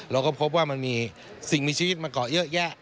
เราก็พบว่ามันมีสิ่งมีชีวิตมาเกาะเยอะแยะ